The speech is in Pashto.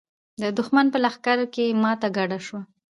د دښمن په لښکر کې ماته ګډه شوه.